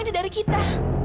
ini dari kita